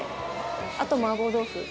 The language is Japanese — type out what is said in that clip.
あと麻婆豆腐。